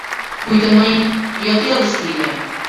Пуйто мый йот элыште илем.